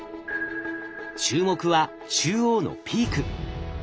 注目は中央のピーク。